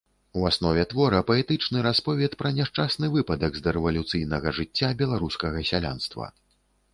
У аснове твора паэтычны расповед пра няшчасны выпадак з дарэвалюцыйнага жыцця беларускага сялянства.